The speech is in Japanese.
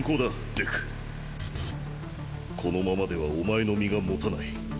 デクこのままではおまえの身が保たない。